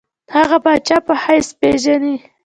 هغه پاچا په حیث پېژني.